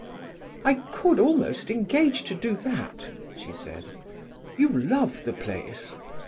"I could almost engage to do that," she said. "You love the place?"